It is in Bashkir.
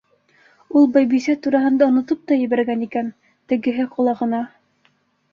Ул Байбисә тураһында онотоп та ебәргән икән, тегеһе ҡолағына: